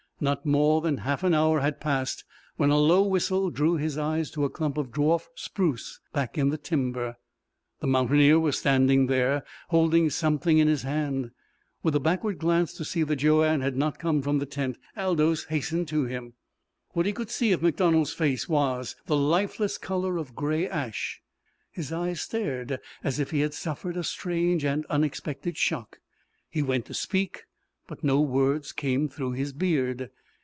Not more than half an hour had passed when a low whistle drew his eyes to a clump of dwarf spruce back in the timber. The mountaineer was standing there, holding something in his hand. With a backward glance to see that Joanne had not come from the tent, Aldous hastened to him. What he could see of MacDonald's face was the lifeless colour of gray ash. His eyes stared as if he had suffered a strange and unexpected shock. He went to speak, but no words came through his beard.